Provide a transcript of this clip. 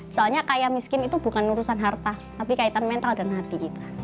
soalnya kaya miskin itu bukan urusan harta tapi kaitan mental dan hati